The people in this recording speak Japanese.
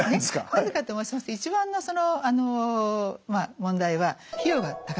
なぜかと申しますと一番のその問題は費用が高いんですね。